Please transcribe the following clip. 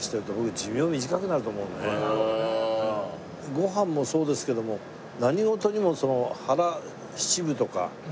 ご飯もそうですけども何事にも腹７分とか。